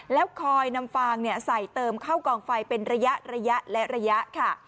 แล้วคอยนำฟางใส่เติมเข้ากองไฟเป็นระยะและระยะค่ะ